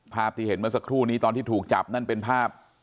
ภาพที่เห็นเมื่อสักครู่นี้ตอนที่ถูกจับนั่นเป็นภาพ